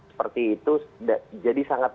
seperti itu jadi sangat